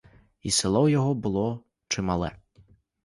І село в його було чимале.